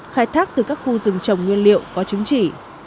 khai thác từ các khu rừng trồng nguyên liệu có chứng chỉ